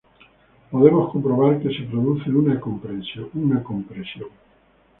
Podemos comprobar que se produce una compresión.